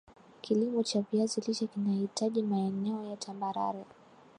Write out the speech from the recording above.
kilimo cha viazi lishe kinahitaji maeneo ya tambarare